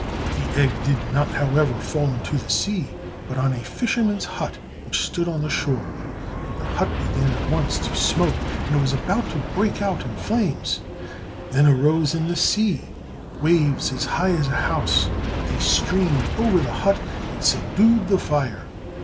The egg did not, however, fall into the sea, but on a fisherman's hut which stood on the shore and the hut began at once to smoke and was about to break out in flames. Then arose in the sea waves as high as a house, they streamed over the hut, and subdued the fire.